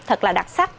thật là đặc sắc